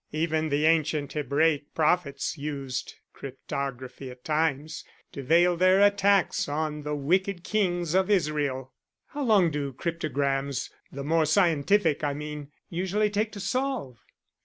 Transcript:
Even the ancient Hebraic prophets used cryptography at times to veil their attacks on the wicked kings of Israel." "How long do cryptograms the more scientific, I mean usually take to solve?"